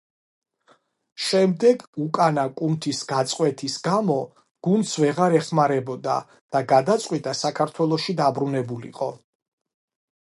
შემდეგ უკანა კუნთის გაწყვეტის გამო გუნდს ვეღარ ეხმარებოდა და გადაწყვიტა საქართველოში დაბრუნებულიყო.